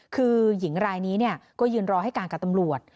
คือหญิงรายนี้ก็ยืนรอให้การกับตำรวจ